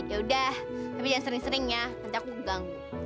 ya udah tapi jangan sering sering ya nanti aku ganggu